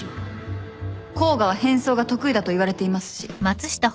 甲賀は変装が得意だといわれていますし。